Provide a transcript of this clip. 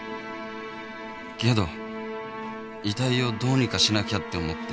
けど遺体をどうにかしなきゃって思って。